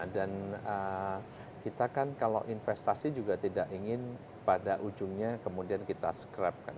dan kita kan kalau investasi juga tidak ingin pada ujungnya kemuniaan